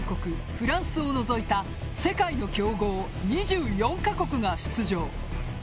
フランスを除いた世界の強豪２４か国が出場。